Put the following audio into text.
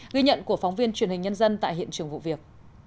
ghi nhận của phóng viên truyền hình nhân dân tại hiện trường vụ việc